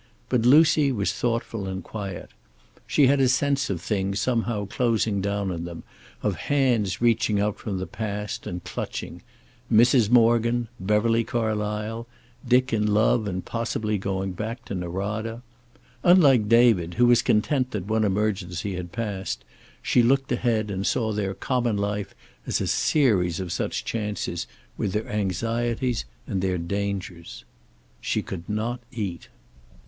But Lucy was thoughtful and quiet. She had a sense of things somehow closing down on them, of hands reaching out from the past, and clutching; Mrs. Morgan, Beverly Carlysle, Dick in love and possibly going back to Norada. Unlike David, who was content that one emergency had passed, she looked ahead and saw their common life a series of such chances, with their anxieties and their dangers. She could not eat.